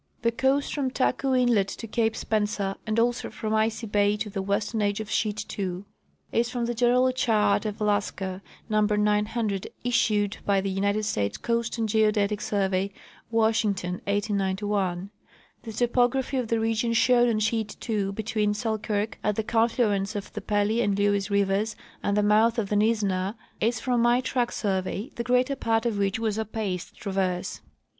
The coast from Taku inlet to cape Spencer, and also from Icy bay to the western edge of sheet ii, is from the general chart of Alaska, number 900, issued by the United States Coast and Geodetic survey, Washington, 1891. The topography of the region shown on sheet ii between Selkirk, at the confluence of the Pelly and Lewes rivers, and the mouth of the Nizzenah is from my track survey, the greater part of which was a paced traverse.